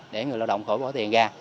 để người lao động khỏi bỏ tiền ra